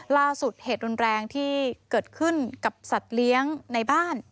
ล่าสุดเหตุแรงที่เกิดขึ้นกับสัตว์เลี้ยงในบ้าน